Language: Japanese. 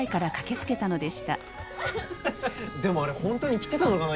でもあれ本当に来てたのかな？